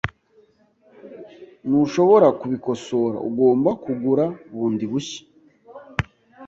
Ntushobora kubikosora .Ugomba kugura bundi bushya .